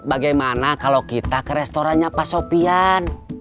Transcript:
bagaimana kalau kita ke restorannya pasopian